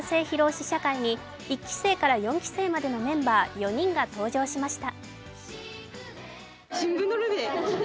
試写会に１期生から４期生までのメンバー４人が登場しました。